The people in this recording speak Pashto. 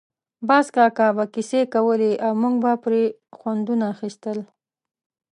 باز کاکا به کیسې کولې او موږ به پرې خوندونه اخیستل.